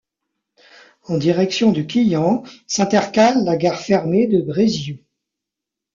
En direction de Quillan, s'intercale la gare fermée de Brézihou.